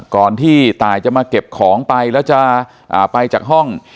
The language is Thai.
ก่อนที่ตายจะมาเก็บของไปแล้วจะไปจากห้อง